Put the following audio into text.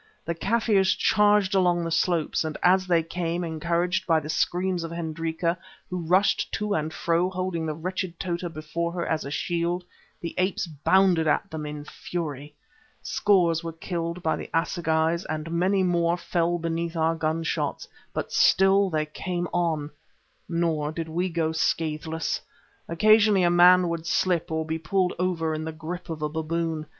The Kaffirs charged along the slopes, and as they came, encouraged by the screams of Hendrika, who rushed to and fro holding the wretched Tota before her as a shield, the apes bounded at them in fury. Scores were killed by the assegais, and many more fell beneath our gun shots; but still they came on. Nor did we go scathless. Occasionally a man would slip, or be pulled over in the grip of a baboon.